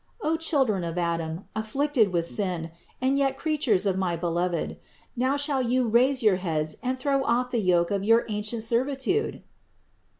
O children of Adam, afflicted with sin, and yet creatures of my Be THE INCARNATION 97 loved, now shall you raise your heads and throw off the yoke of your ancient servitude!